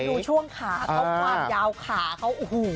คุณดูช่วงขาเขาขวัญยาวขาเขาอู๋